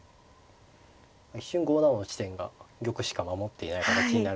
一瞬５七の地点が玉しか守っていない形になるので。